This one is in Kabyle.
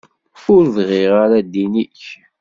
Ur bɣiɣ ara ddin-ik.